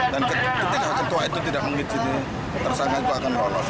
dan ketika ketua itu tidak mengizini tersangka itu akan lolos